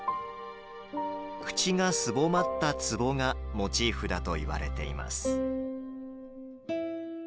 口がすぼまったつぼがモチーフだといわれています。